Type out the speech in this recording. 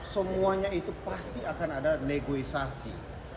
semuanya itu pasti akan ada negosiasi